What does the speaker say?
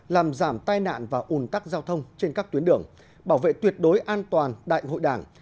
làm giảm tai nạn và ủn tắc giao thông trên các tuyến đường bảo vệ tuyệt đối an toàn đại hội đảng